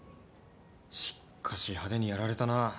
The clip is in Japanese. しっかし派手にやられたな。